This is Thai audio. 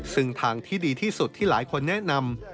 ซึ่งทางที่ดีที่สุดที่หลายคนแนะนำ